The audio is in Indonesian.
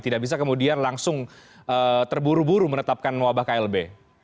karena kemudian langsung terburu buru menetapkan wabah klb